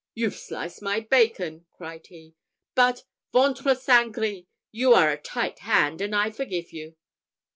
"You've sliced my bacon," cried he; "but, Ventre saint gris! you are a tight hand, and I forgive you."